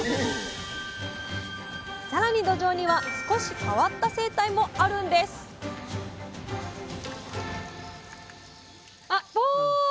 さらにどじょうには少し変わった生態もあるんですあっお！